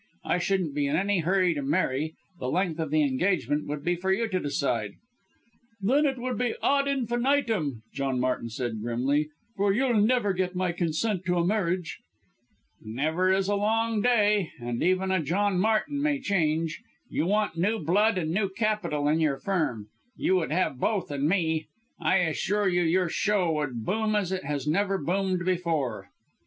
I shouldn't be in any hurry to marry the length of the engagement would be for you to decide." "Then it would be ad infinitum," John Martin said grimly, "for you'll never get my consent to a marriage." "Never is a long day and even a John Martin may change. You want new blood and new capital in your Firm you would have both in me. I assure you your show would boom as it has never boomed before!"